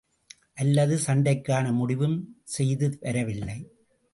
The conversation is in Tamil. அல்லது சண்டைக்கான முடிவும் செய்து வரவில்லை.